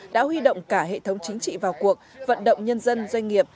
đã huy động cả hệ thống chính trị vào cuộc vận động nhân dân doanh nghiệp